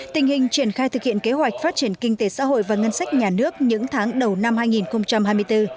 tình hình triển khai thực hiện kế hoạch phát triển kinh tế xã hội và ngân sách nhà nước những tháng đầu năm hai nghìn hai mươi bốn